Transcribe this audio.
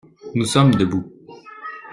Nous sommes debout.